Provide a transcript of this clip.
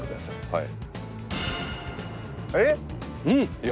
はい。